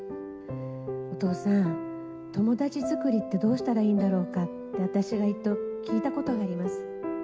お父さん、友達作りってどうしたらいいんだろうかって、私が一度聞いたことがあります。